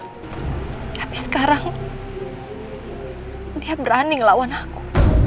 tapi sekarang dia berani ngelawan aku